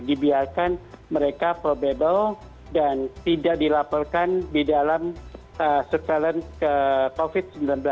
dibiarkan mereka probable dan tidak dilaporkan di dalam surveillance covid sembilan belas